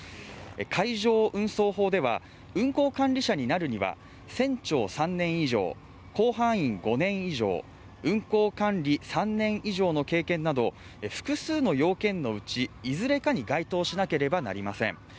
海上運送法では運航管理者になるには船長３年以上甲板員５年以上運航管理３年以上の経験など複数の要件のうちいずれかに該当しなければなりません